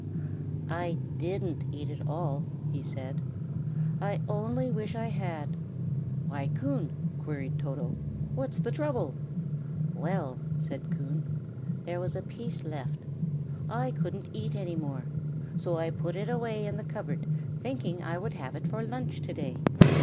"I didn't eat it all," he said; "I only wish I had!" "Why, Coon," queried Toto, "what's the trouble?" "Well," said Coon, "there was a piece left. I couldn't eat any more, so I put it away in the cupboard, thinking I would have it for lunch to day.